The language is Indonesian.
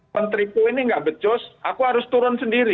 menteri ku ini enggak becos aku harus turun sendiri